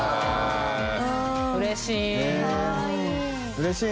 うれしい。